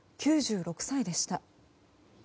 ９６歳でした。